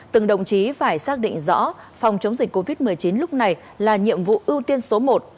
từng đồng chí phải xác định rõ phòng chống dịch covid một mươi chín lúc này là nhiệm vụ ưu tiên số một